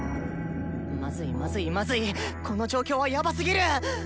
まずいまずいまずいこの状況はヤバすぎる！